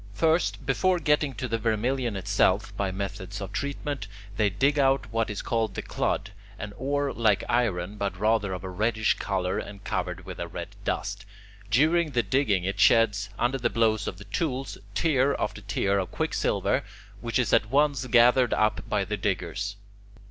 First, before getting to the vermilion itself by methods of treatment, they dig out what is called the clod, an ore like iron, but rather of a reddish colour and covered with a red dust. During the digging it sheds, under the blows of the tools, tear after tear of quicksilver, which is at once gathered up by the diggers.